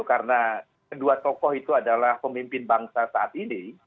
karena kedua tokoh itu adalah pemimpin bangsa saat ini